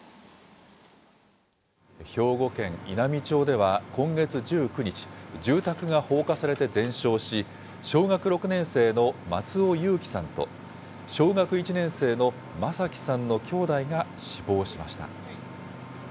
兵庫県稲美町では今月１９日、住宅が放火されて全焼し、小学６年生の松尾侑城さんと、小学１年生の眞輝さんの兄弟が死亡しました。